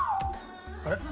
あれ？